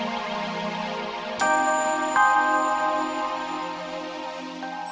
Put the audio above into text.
cepat kita bawa ke icu